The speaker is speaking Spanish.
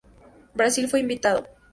Brasil fue invitado.